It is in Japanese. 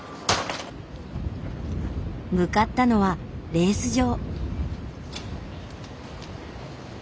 向かったのはレース場。